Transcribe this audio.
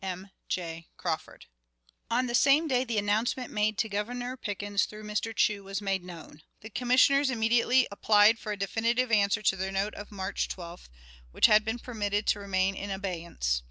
"M. J. Crawford." On the same day the announcement made to Governor Pickens through Mr. Chew was made known. The Commissioners immediately applied for a definitive answer to their note of March 12th, which had been permitted to remain in abeyance.